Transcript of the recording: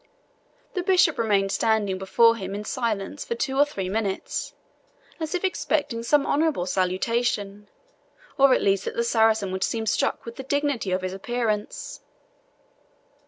The bishop remained standing before him in silence for two or three minutes, as if expecting some honourable salutation, or at least that the Saracen would seem struck with the dignity of his appearance.